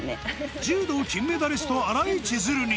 柔道金メダリスト新井千鶴に